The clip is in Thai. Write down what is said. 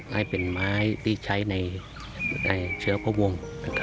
ให้เป็นไม้ที่ใช้ในเชื้อพระวงศ์